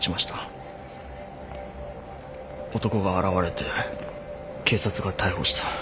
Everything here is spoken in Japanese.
男が現れて警察が逮捕した。